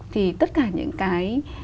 thì tất cả những cái